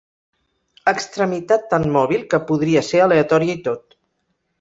Extremitat tan mòbil que podria ser aleatòria i tot.